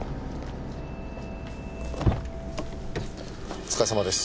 お疲れさまです。